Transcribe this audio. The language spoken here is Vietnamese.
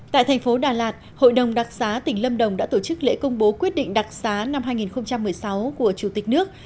tại thành phố đà lạt hội đồng đặc xá tỉnh lâm đồng đã tổ chức lễ công bố quyết định đặc xá năm hai nghìn một mươi sáu của chủ tịch nước